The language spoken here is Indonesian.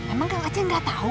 emang kalau aceh nggak tahu